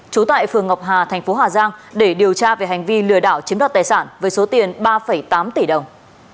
trú tại phường ngọc hà thành phố hà giang để điều tra về hành vi lừa đảo chiếm đoạt tài sản với số tiền ba tám tỷ đồng